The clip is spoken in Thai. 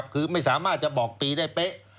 คือไม่สามารถจะบอกปีได้เป๊ะ